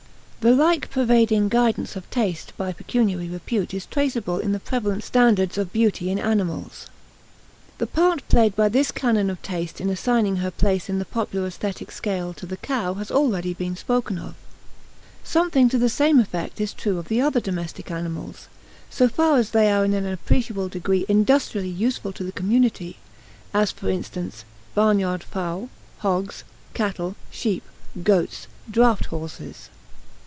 The like pervading guidance of taste by pecuniary repute is traceable in the prevalent standards of beauty in animals. The part played by this canon of taste in assigning her place in the popular aesthetic scale to the cow has already been spokes of. Something to the same effect is true of the other domestic animals, so far as they are in an appreciable degree industrially useful to the community as, for instance, barnyard fowl, hogs, cattle, sheep, goats, draught horses.